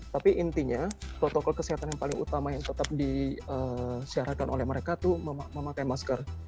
tapi intinya protokol kesehatan yang paling utama yang tetap disyaratkan oleh mereka itu memakai masker